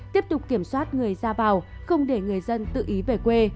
tiếp tục kiểm soát người ra vào không để người dân tự ý về quê